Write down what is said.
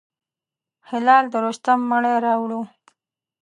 هلال د رستم مړی راووړ.